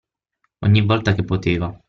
Ogni volta che poteva.